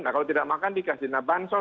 nah kalau tidak makan dikasih na bansol